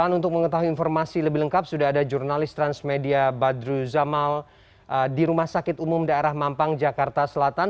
dan untuk mengetahui informasi lebih lengkap sudah ada jurnalis transmedia badru zamal di rumah sakit umum daerah mampang jakarta selatan